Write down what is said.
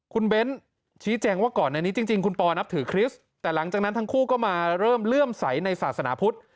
คุณเบ้นชี้แจงว่าก่อนในนี้จริงคุณปอนับถือคริสต์แต่หลังจากนั้นทั้งคู่ก็มาเริ่มเลื่อมใสในศาสนาพุทธ